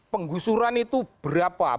penggusuran itu berapa